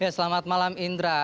selamat malam indra